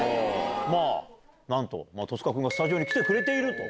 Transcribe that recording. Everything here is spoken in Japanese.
まあ、なんと戸塚君が、スタジオに来てくれていると。